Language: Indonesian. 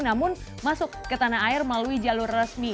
namun masuk ke tanah air melalui jalur resmi